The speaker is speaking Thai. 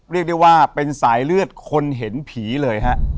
เรียกได้ว่าเป็นสายเลือดคนเห็นผีเลยฮะ